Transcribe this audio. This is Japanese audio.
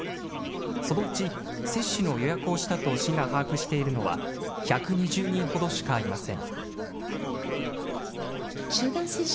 そのうち接種の予約をしたと市が把握しているのは、１２０人ほどしかいません。